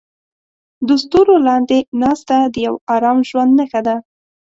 د ستورو لاندې ناسته د یو ارام ژوند نښه ده.